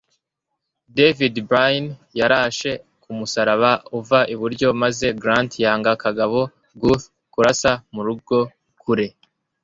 David Byrne yarashe ku musaraba uva iburyo maze Grant yanga Kagabo Gough kurasa mu rugo kure